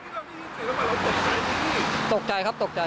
ตอนแรกก็เห็นศิษย์เข้ามาแล้วตกใจไหมตกใจครับตกใจ